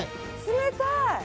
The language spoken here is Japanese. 「冷たい！」